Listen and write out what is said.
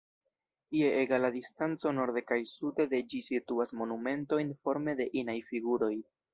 Je egala distanco norde kaj sude de ĝi situas monumentoj forme de inaj figuroj.